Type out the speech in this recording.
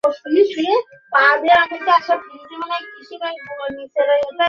পারব না, পরে খিঁচুনি হবে।